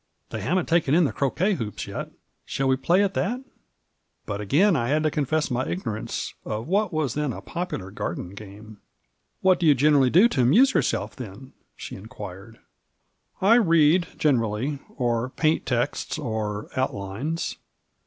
They haven't taken in the croquet hoops yet ; shall we play at that ?" But again I had to confess my ignorance of what was then the popular garden game. "What do you generally do to amuse yourself, then?" she inquired. " I read, generally, or paint texts or outlines.